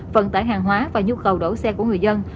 vận tải hàng hóa và nhu cầu đổi xe của người dân